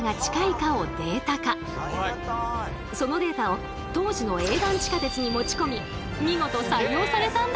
そのデータを当時の営団地下鉄に持ち込み見事採用されたんだとか。